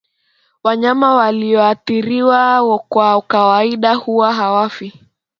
Wanyama walioathiriwa kwa kawaida huwa hawafi